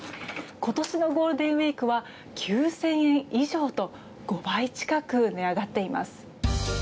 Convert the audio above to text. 今年のゴールデンウィークは９０００円以上と５倍近く値上がっています。